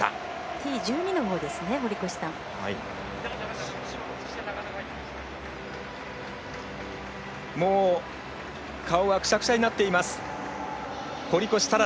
Ｔ１２のほうですね堀越さん。